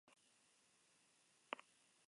Allí viven dos familias.